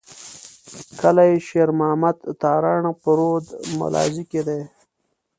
کلي شېر محمد تارڼ په رود ملازۍ کي دی.